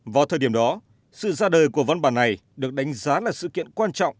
vào thời điểm đó sự ra đời của văn bản này được đánh giá là sự kiện quan trọng